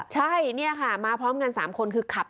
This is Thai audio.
ใช่เนี่ยค่ะมาพร้อมกัน๓คนคือขับ